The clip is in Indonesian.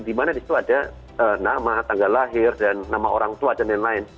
di mana di situ ada nama tanggal lahir dan nama orang tua dan lain lain